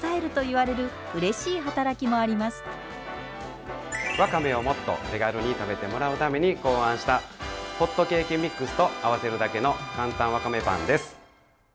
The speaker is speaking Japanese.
わかめをもっと手軽に食べてもらうために考案したホットケーキミックスと合わせるだけのかんたんわかめパンです。